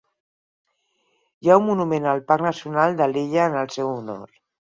Hi ha un monument al parc nacional de l'illa en el seu honor.